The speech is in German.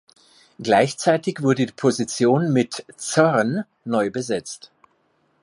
Gleichzeitig wurde die Position mit "Zorn" neu besetzt.